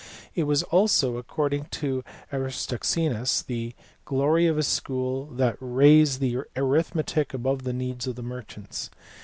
It was also, according to Aristoxenus, the glory of his school that they raised arithmetic above the needs of merchants.